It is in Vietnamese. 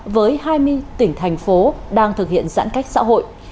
với hai mươi tỉnh thành phố đang thực hiện giãn cách xã hội